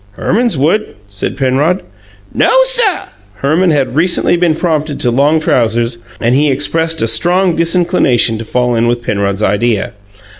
"Herman's would," said Penrod. "No, suh!" Herman had recently been promoted to long trousers, and he expressed a strong disinclination to fall in with Penrod's idea.